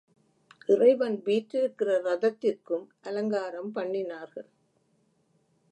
இறைவன் வீற்றிருக்கிற ரதத்திற்கும் அலங்காரம் பண்ணினார்கள்.